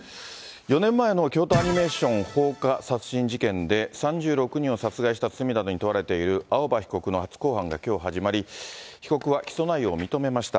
４年前の京都アニメーション放火殺人事件で、３６人を殺害した罪などに問われている、青葉被告の初公判がきょう始まり、被告は起訴内容を認めました。